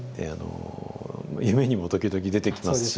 夢にも時々出てきますし。